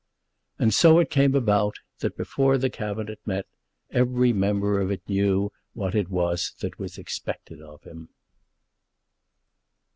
And so it came about that before the Cabinet met, every member of it knew what it was that was expected of him.